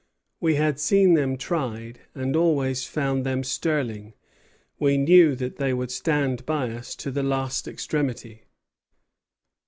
We had seen them tried, and always found them sterling. We knew that they would stand by us to the last extremity."